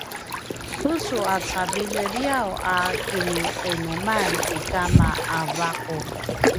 tucu a cavilj liyaw a kiniqinuman ni kama a vaqu